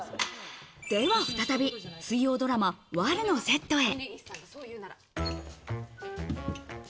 では再び、水曜ドラマ『悪女』のセットへ。